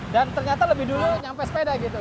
dan ternyata lebih dulu sampai sepeda gitu ya